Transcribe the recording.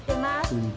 うん？